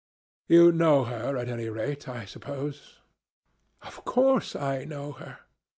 You know her, at any rate, I suppose?" "Of course I know her.